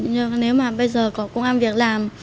nhưng mà nếu bây giờ có công an việc làm